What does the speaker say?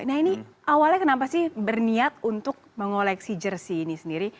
nah ini awalnya kenapa sih berniat untuk mengoleksi jersi ini sendiri